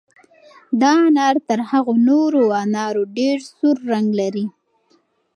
دا انار تر هغو نورو انارو ډېر سور رنګ لري.